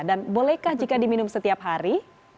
dan bolehkah jika diminum setiap hari